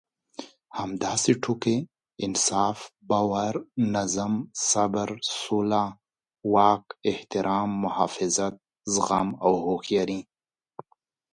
همداسې ټوکې، انصاف، باور، نظم، صبر، سوله، واک، احترام، محافظت، زغم او هوښياري.